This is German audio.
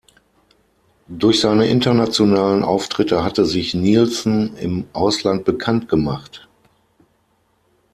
Durch seine internationalen Auftritte hatte sich Nilsson im Ausland bekannt gemacht.